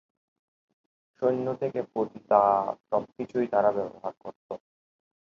সৈন্য থেকে পতিতা সবকিছুই তারা ব্যবহার করতো।